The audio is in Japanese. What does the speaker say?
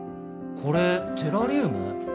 これテラリウム？